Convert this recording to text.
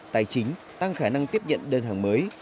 tài chính tăng khả năng tiếp nhận đơn hàng mới